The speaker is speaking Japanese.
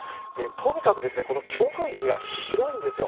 とにかく強風域が広いんです。